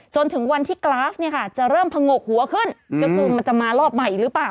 จนถึงวันที่กราฟเนี่ยค่ะจะเริ่มผงกหัวขึ้นก็คือมันจะมารอบใหม่หรือเปล่า